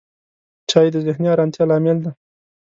چای د ذهني آرامتیا لامل دی